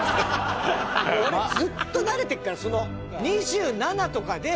俺ずっと慣れてるからその。